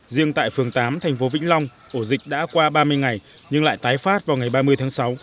riêng tại phường tám thành phố vĩnh long ổ dịch đã qua ba mươi ngày nhưng lại tái phát vào ngày ba mươi tháng sáu